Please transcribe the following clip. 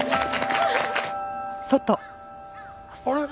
あれ？